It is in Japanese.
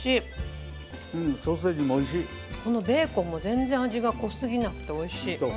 このベーコンも全然味が濃過ぎなくておいしい。